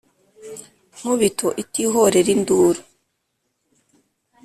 Nkubito itihorera induru